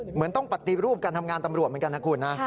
เหมือนต้องปฏิรูปการทำงานตำรวจเหมือนกันนะคุณนะ